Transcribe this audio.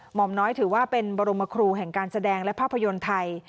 หมอมน้อยถือว่าเป็นบรมครูแห่งการแสดงและภาพยนตร์ไทย